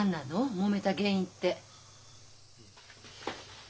もめた原因って。